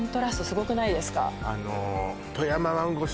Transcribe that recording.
すごくないですか？